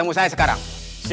ini juga nggak bagus